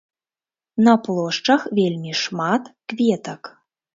На плошчах вельмі шмат кветак.